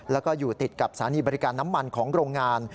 แล้วก็อยู่ติดกับสถานีบริการน้ำมันของโรงงาน